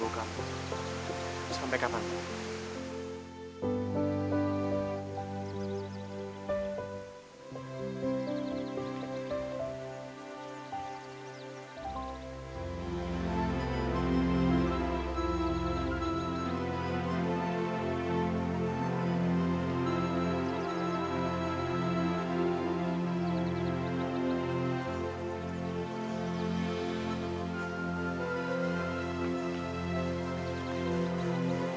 aku merasa kakak jahat bagi dia